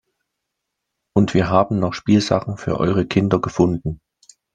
Und wir haben noch Spielsachen für eure Kinder gefunden.